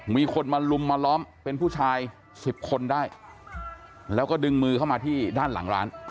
มีคนมาลุมมาล้อมเป็นผู้ชาย๑๐คนได้แล้วก็ดึงมือเข้ามาที่ด้านหลังร้าน